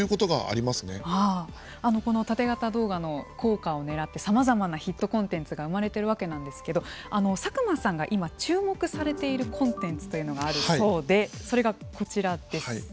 このタテ型動画の効果をねらってさまざまなヒットコンテンツが生まれているわけなんですけれど佐久間さんが今注目されているコンテンツというのがあるそうでそれがこちらです。